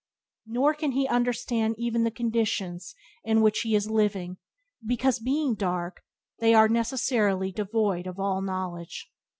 Nor can he understand even the conditions in which he is living, because, being dark, they are necessarily devoid of all knowledge.